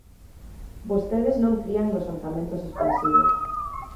Vostedes non crían nos orzamentos expansivos.